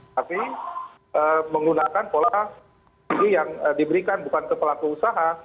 tapi menggunakan pola subsidi yang diberikan bukan ke pelaku usaha